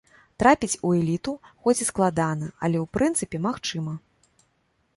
Трапіць у эліту, хоць і складана, але ў прынцыпе магчыма.